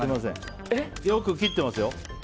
よく切ってます。